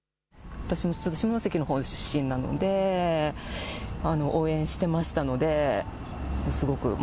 私も下関のほうの出身なので応援していましたので。